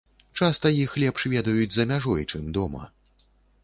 Часта іх лепш ведаюць за мяжой, чым дома.